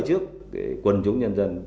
trước quân chúng nhân dân